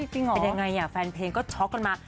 เป็นอย่างไรฟันเพลงก็ช็อกกันมา